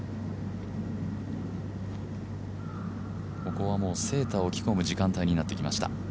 ここはもうセーターを着込む時間帯となってきました。